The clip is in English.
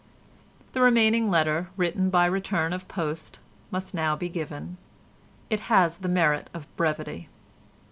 The remaining letter, written by return of post, must now be given. It has the merit of brevity.